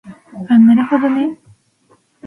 あなるほどね